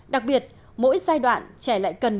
đặc biệt mỗi giai đoạn trẻ lại cần